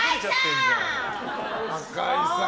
赤井さん！